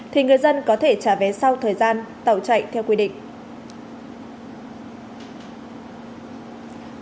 thì người dân có thể trả vé sau thời gian tàu chạy theo quy định